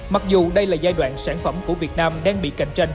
mặc dù đây là giai đoạn sản phẩm của việt nam đang bị cạnh tranh